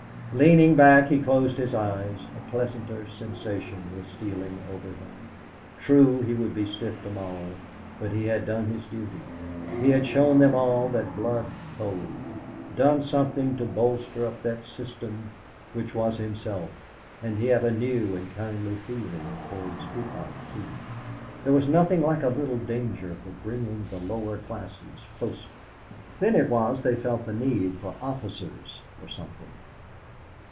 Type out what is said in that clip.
Leaning back, he closed his eyes; a pleasanter sensation was stealing over him. True, he would be stiff to morrow, but he had done his duty. He had shown them all that blood told; done something to bolster up that system which was himself. And he had a new and kindly feeling towards Peacock, too. There was nothing like a little danger for bringing the lower classes closer; then it was they felt the need for officers, for something!